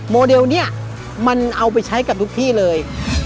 โมเดลเนี่ยมันเอาไปใช้กับทุกที่เลย